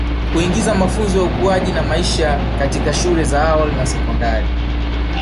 Kuingiza mafunzo ya ukuaji na maisha katika shule za awali na sekondari